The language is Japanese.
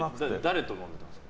誰と飲んでたんですか？